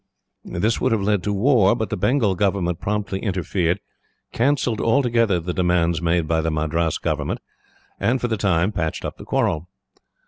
This would have led to war, but the Bengal government promptly interfered, cancelled altogether the demands made by the Madras government, and for the time patched up the quarrel.